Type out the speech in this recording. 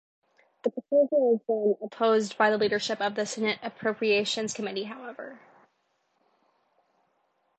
The proposal has been opposed by the leadership of the Senate Appropriations Committee, however.